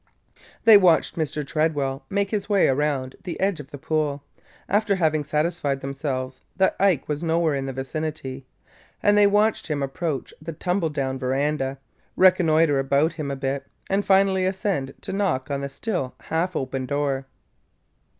They watched Mr. Tredwell make his way around the edge of the pool, after having satisfied themselves that Ike was nowhere in the vicinity. And they watched him approach the tumble down veranda, reconnoiter about him a bit, and finally ascend to knock on the still half open door.